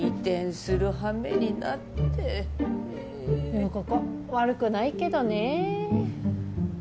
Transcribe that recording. でもここ悪くないけどねえ。